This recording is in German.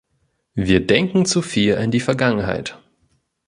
Wir denken zu viel an die Vergangenheit.